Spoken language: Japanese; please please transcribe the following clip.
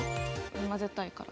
混ぜたいから。